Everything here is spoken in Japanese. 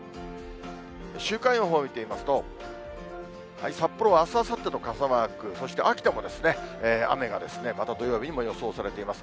週間予報を見てみますと、札幌はあす、あさってと傘マーク、そして秋田も雨が、また土曜日にも予想されています。